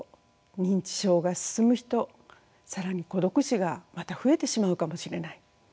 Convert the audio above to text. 認知症が進む人更に孤独死がまた増えてしまうかもしれない。